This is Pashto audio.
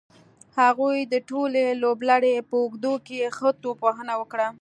هغوی د ټولې لوبلړۍ په اوږدو کې ښه توپ وهنه وکړه.